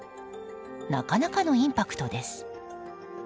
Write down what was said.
なかなかのインパクトです。